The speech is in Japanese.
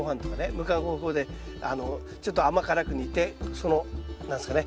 ムカゴをこうねちょっと甘辛く煮てその何ですかね